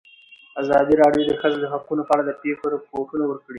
ازادي راډیو د د ښځو حقونه په اړه د پېښو رپوټونه ورکړي.